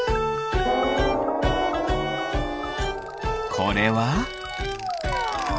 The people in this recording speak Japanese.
これは？